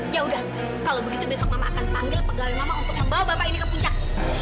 ya udah kalau begitu besok mama akan panggil pegawai mama untuk membawa bapak ini ke puncak